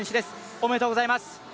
おめでとうございます。